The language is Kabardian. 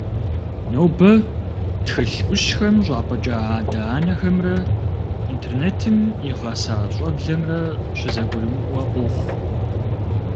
Нобэ, тхылъ Ӏущхэм щӀапӀыкӀа адэ-анэхэмрэ интернетым игъэса щӀэблэмрэ щызэгурымыӀуэ къохъу.